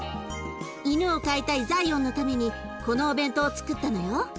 犬を飼いたいザイオンのためにこのお弁当をつくったのよ。